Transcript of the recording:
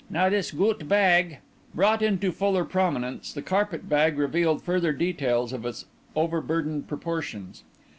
Now this goot bag " Brought into fuller prominence, the carpet bag revealed further details of its overburdened proportions.